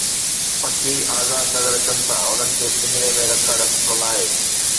پکي آزاد نظر اچن ٿا، انهن کي پنجري ۾ رکڻ سٺو ناهي